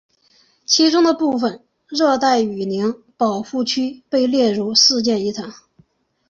其中的部分热带雨林保护区被列入世界遗产。